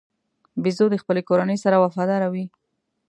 بیزو د خپلې کورنۍ سره وفاداره وي.